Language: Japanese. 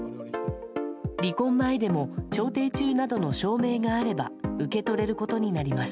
離婚前でも、調停中などの証明があれば、受け取れることになり